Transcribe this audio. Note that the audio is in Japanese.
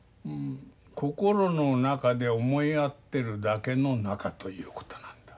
心の中で思い合ってるだけの仲ということなんだ。